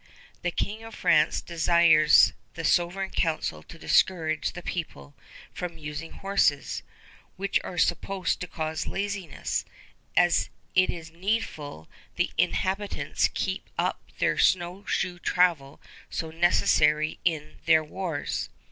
The King of France desires the Sovereign Council to discourage the people from using horses, which are supposed to cause laziness, as "it is needful the inhabitants keep up their snowshoe travel so necessary in their wars."